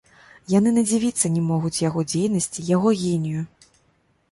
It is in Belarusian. Яны надзівіцца не могуць яго дзейнасці, яго генію.